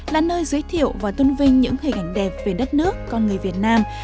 là nơi giới thiệu và tôn vinh những hình ảnh đẹp về đất nước con người việt nam